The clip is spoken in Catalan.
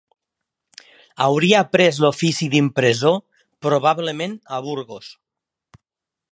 Hauria après l'ofici d'impressor, probablement, a Burgos.